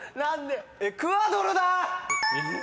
「エクアドル」だ！